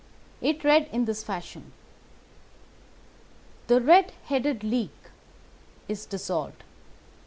It read in this fashion: "THE RED HEADED LEAGUE IS DISSOLVED.